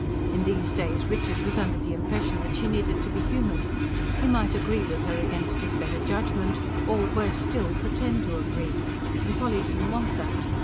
In these days Richard was under the impression that she needed to be humoured. He might agree with her against his better judgment, or, worse still, pretend to agree. And Polly didn't want that.